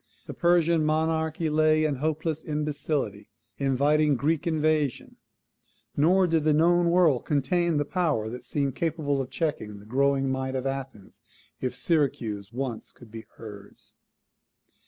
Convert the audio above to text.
The Persian monarchy lay in hopeless imbecility, inviting Greek invasion; nor did the known world contain the power that seemed capable of checking the growing might of Athens, if Syracuse once could be hers.